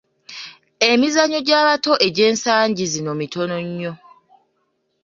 Emizannyo gy'abato egy'ensangi zino mitono nnyo.